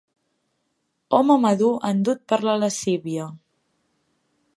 Home madur endut per la lascívia.